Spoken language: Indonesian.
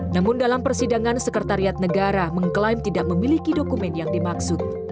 namun dalam persidangan sekretariat negara mengklaim tidak memiliki dokumen yang dimaksud